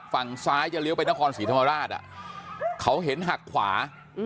ฝั่งซ้ายจะเลี้ยวไปนครศรีธรรมราชเขาเห็นหักขวา